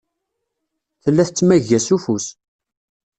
Tella tettmagga s ufus.